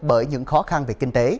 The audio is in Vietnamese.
bởi những khó khăn về kinh tế